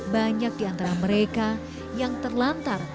banyak diantara mereka yang terlantar